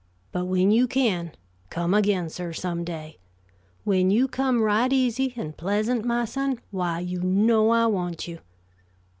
But when you can, come again, sir, some day. When you come right easy and pleasant, my son, why, you know I want you."